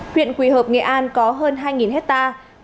huyện quỳ hợp nghệ an có hơn hai hectare